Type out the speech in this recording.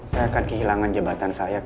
saya akan kehilangan jabatan saya